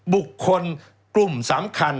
บุคคลกลุ่มสำคัญ